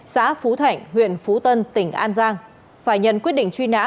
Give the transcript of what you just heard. xã phú thạnh huyện phú tân tỉnh an giang phải nhận quyết định truy nã